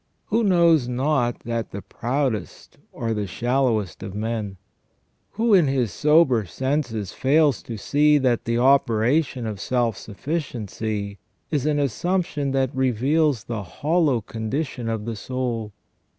Who knows not that the proudest are the shallowest of men? Who, in his sober senses, fails to see that the operation of self sufficiency is an assumption that reveals the hollow condition of the soul